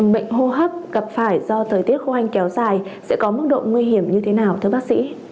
bệnh hô hấp gặp phải do thời tiết khô hanh kéo dài sẽ có mức độ nguy hiểm như thế nào thưa bác sĩ